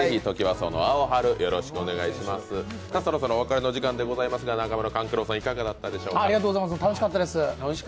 そろそろお別れの時間でございますが、中村勘九郎さん、いかがでしたか。